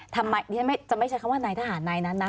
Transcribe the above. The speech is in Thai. ทำไมนี่จะไม่ใช้คำว่านายทหารนายนั้นนะ